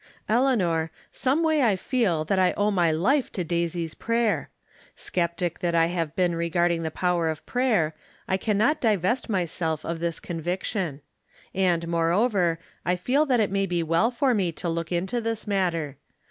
Eleanor, someway I feel that I owe my life to Daisy's prayer. Skeptic that I have been re garding the power of prayer, I can not divest myself of this conviction. And, moreover, I feel that it may be well for me to look into this mat ter.